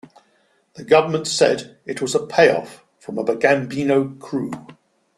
The government said it was a payoff from a Gambino crew.